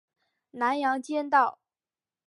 南阳街道